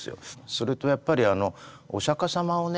それとやっぱりお釈迦様をね